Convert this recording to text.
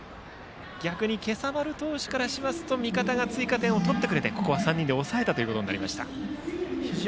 逆に、今朝丸投手からしますと味方が追加点を取ってくれてここは３人で抑えたとなりました。